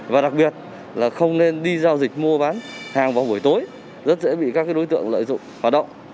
và đặc biệt là không nên đi giao dịch mua bán hàng vào buổi tối rất dễ bị các đối tượng lợi dụng hoạt động